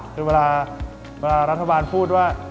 คือเวลารัฐบาลพูดว่า